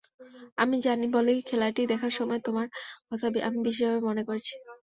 আমি জানি বলেই খেলাটি দেখার সময় তোমার কথা আমি বিশেষভাবে মনে করেছি।